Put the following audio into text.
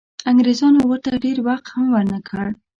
انګریزانو ورته ډېر وخت هم ورنه کړ.